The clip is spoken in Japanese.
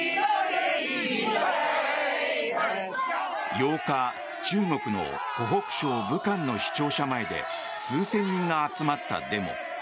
８日、中国の湖北省武漢の市庁舎前で数千人が集まったデモ。